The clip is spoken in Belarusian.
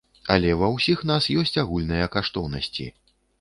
Але ва ўсіх нас ёсць агульныя каштоўнасці.